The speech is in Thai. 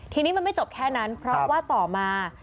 ทีนี้มันไม่จบแค่นั้นเพราะว่าต่อมา